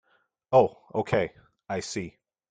Oh okay, I see.